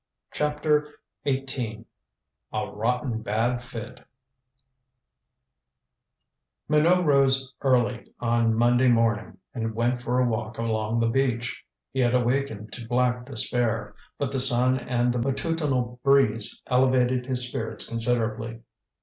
CHAPTER XVIII "A ROTTEN BAD FIT" Minot rose early on Monday morning and went for a walk along the beach. He had awakened to black despair, but the sun and the matutinal breeze elevated his spirits considerably.